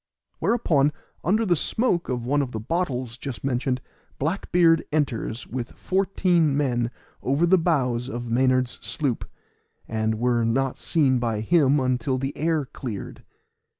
Whereupon, under the smoke of one of the bottles just mentioned, Black beard enters with fourteen men over the bows of Maynard's sloop, and were not seen by him until the air cleared.